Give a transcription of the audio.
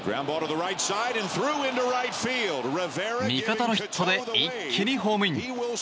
味方のヒットで一気にホームイン。